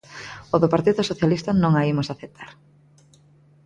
A do Partido Socialista non a imos aceptar.